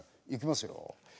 いきますよ。